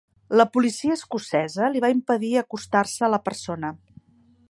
La policia escocesa li va impedir acostar-se a la persona.